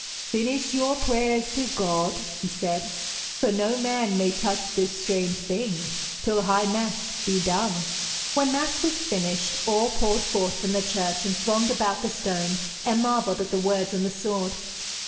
'Finish your prayers to God,' he said, 'for no man may touch this strange thing till high mass be done.' When mass was finished, all poured forth from the church and thronged about the stone, and marvelled at the words on the sword.